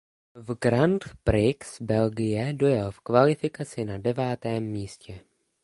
V Grand Prix Belgie dojel v kvalifikaci na devátém místě.